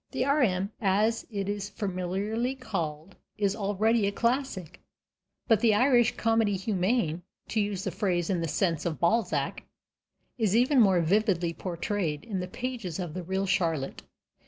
The R.M., as it is familiarly called, is already a classic, but the Irish comédie humaine to use the phrase in the sense of Balzac is even more vividly portrayed in the pages of The Real Charlotte.